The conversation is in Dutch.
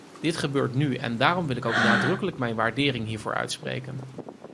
Dit gebeurt nu en daarom wil ik ook nadrukkelijk mijn waardering hiervoor uitspreken.